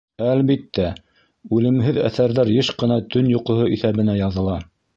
Әлбиттә, үлемһеҙ әҫәрҙәр йыш ҡына төн йоҡоһо иҫәбенә яҙыла.